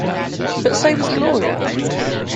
But so was Gloria.